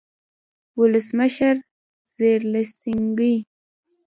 ولسمشرزیلینسکي